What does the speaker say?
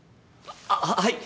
あっははい。